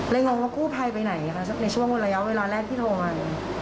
งงว่ากู้ภัยไปไหนคะในช่วงระยะเวลาแรกที่โทรมา